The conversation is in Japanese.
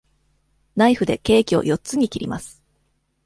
ナイフでケーキを四つに切ります。